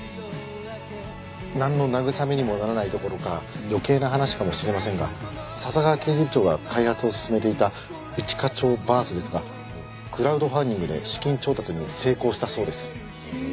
なんの慰めにもならないどころか余計な話かもしれませんが笹川刑事部長が開発を進めていた一課長バースですがクラウドファンディングで資金調達に成功したそうです。